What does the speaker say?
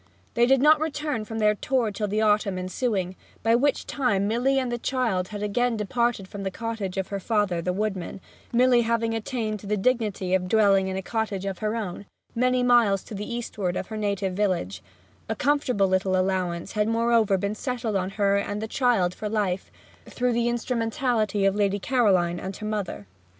They did not return from their tour till the autumn ensuing, by which time Milly and the child had again departed from the cottage of her father the woodman, Milly having attained to the dignity of dwelling in a cottage of her own, many miles to the eastward of her native village; a comfortable little allowance had moreover been settled on her and the child for life, through the instrumentality of Lady Caroline and her mother.